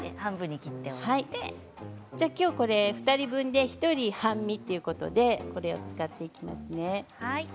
きょうこれ２人分で１人半身ということで使っていきますね。